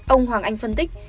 ông hoàng anh phân tích